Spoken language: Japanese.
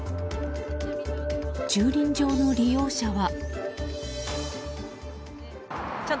駐輪場の利用者は。